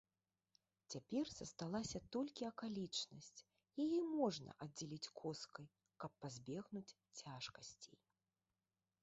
Цяпер засталася толькі акалічнасць, яе можна аддзяліць коскай, каб пазбегнуць цяжкасцей.